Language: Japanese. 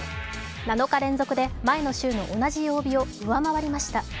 ７日連続で前の週の同じ曜日を上回りました。